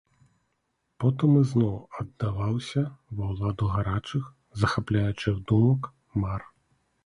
Потым ізноў аддаваўся ва ўладу гарачых, захапляючых думак, мар.